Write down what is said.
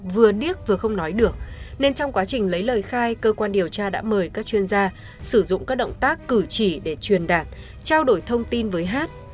vừa điếc vừa không nói được nên trong quá trình lấy lời khai cơ quan điều tra đã mời các chuyên gia sử dụng các động tác cử chỉ để truyền đạt trao đổi thông tin với hát